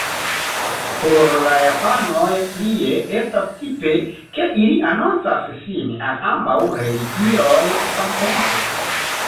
Por la japanoj plie estas tipe, ke ili anoncas sin al ambaŭ religioj samtempe.